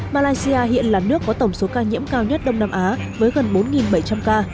malaysia hiện là nước có tổng số ca nhiễm cao nhất đông nam á với gần bốn bảy trăm linh ca